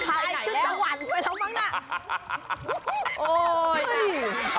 โอ๊ยถ่ายขึ้นสวรรค์ไปแล้วมั้งน่ะ